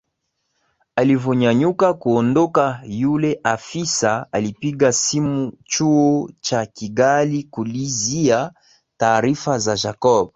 Alivonyanyuka kuondoka yule afisa alipiga simu chuo cha Kigali kulizia taarifa za Jacob